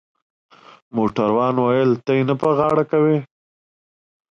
موټروان وویل: ته يې نه په غاړه کوې؟